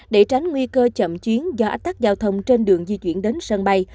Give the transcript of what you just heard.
để tránh nguy cơ chậm chuyến do ách tắt giao thông trên đường di chuyển đến sân bay